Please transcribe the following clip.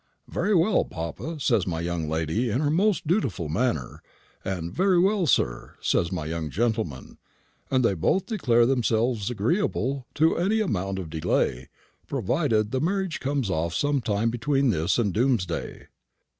'Very well, papa,' says my young lady in her most dutiful manner, and 'Very well, sir,' says my young gentleman; and they both declare themselves agreeable to any amount of delay, provided the marriage comes off some time between this and doomsday."